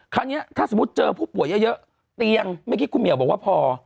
คราวนี้ถ้าสมมุติเจอผู้ป่วยเยอะเตียงเมื่อกี้คุณเหมียวบอกว่าพอ